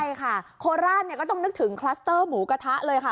ใช่ค่ะโคราชเนี่ยก็ต้องนึกถึงคลัสเตอร์หมูกระทะเลยค่ะ